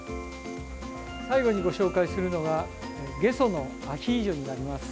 最後にご紹介するのはゲソのアヒージョになります。